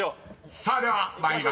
［さあでは参ります］